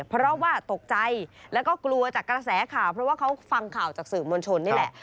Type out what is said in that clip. เพราะว่าตกใจแล้วก็กลัวจากกระแสข่าวเพราะว่าเขาฟังข่าวจากสื่อมวลชนนี่แหละ